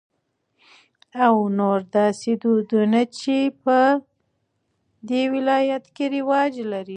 او نور داسې دودنه چې په د ولايت کې رواج لري.